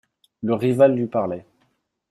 Le Rival lui parlait.